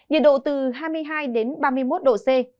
nhiệt độ từ hai mươi hai đến ba mươi một độ c